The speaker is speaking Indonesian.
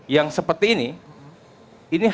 yang seperti ini